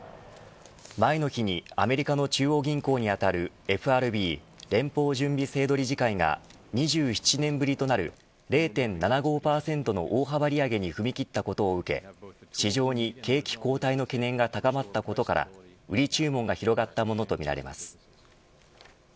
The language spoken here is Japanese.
前の日にアメリカの中央銀行にあたるＦＲＢ連邦準備制度理事会が２７年ぶりとなる０．７５％の大幅利上げに踏み切ったことを受け市場に景気後退の懸念が高まったことから売り注文が広がったものとみられます。